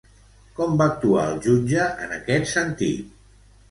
Com va actuar el jutge en aquest sentit?